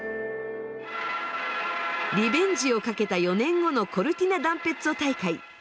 リベンジをかけた４年後のコルティナ・ダンペッツォ大会。